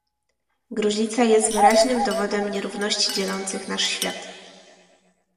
Gruźlica jest wyraźnym dowodem nierówności dzielących nasz świat